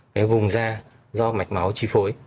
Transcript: cái vùng da do mạch máu chi phối